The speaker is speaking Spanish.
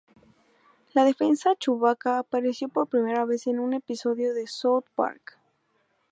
La defensa Chewbacca apareció por primera vez en un episodio de South Park.